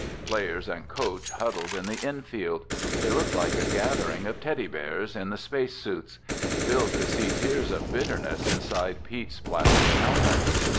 Players and coach huddled in the infield. They looked like a gathering of teddy bears in the space suits. Bill could see tears of bitterness inside Pete's plastic helmet.